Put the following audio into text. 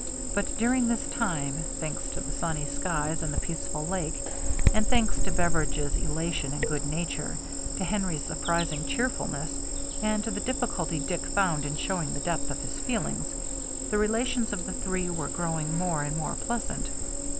But during this time, thanks to the sunny skies and the peaceful lake, and thanks to Beveridge's elation and good nature, to Henry's surprising cheerfulness, and to the difficulty Dick found in showing the depth of his feelings, the relations of the three were growing more and more pleasant.